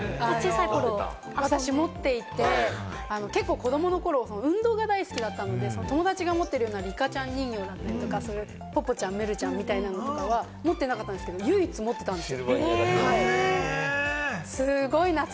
私も持っていて、結構、子どもの頃、運動が大好きだったんで、友達が持ってるようなリカちゃん人形だったりとか、ぽぽちゃん、メルちゃんみたいなのは持ってなかったんですけれども、唯一、持ってたんですよ。